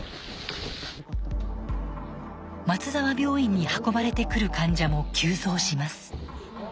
松沢病院に運ばれてくる患者も急増します。